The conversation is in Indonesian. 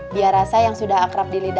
biar rasa yang sudah akrab di lidah